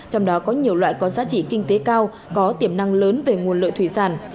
trong đó có nhiều loại có giá trị kinh tế cao có tiềm năng lớn về nguồn lợi thủy sản